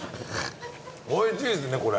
おいしいですねこれ。